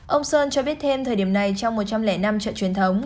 ông sơn cho biết thêm thời điểm này trong một trăm linh năm chợ truyền thống